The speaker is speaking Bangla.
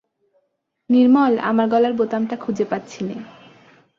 নির্মল, আমার গলার বোতামটা খুঁজে পাচ্ছি নে।